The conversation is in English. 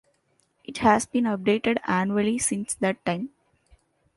It has been updated annually since that time.